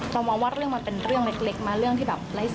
ต้องมาวัดเรื่องมาเป็นเรื่องเล็กมาเรื่องที่แบบ